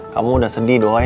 kamu udah sedih doi